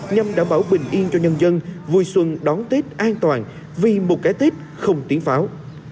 nhằm đảm bảo bình yên cho nhân dân vui xuân đón tết an toàn vì một cái tết không tiếng pháo